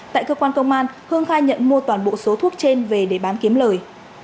tại cơ quan công an hương khai nhận mua toàn bộ số thuốc trên về để bán kiếm lời